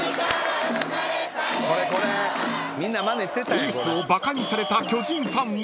［エースをバカにされた巨人ファンは］